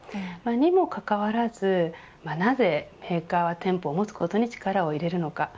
にもかかわらずなぜメーカーは店舗を持つことに力を入れるのか。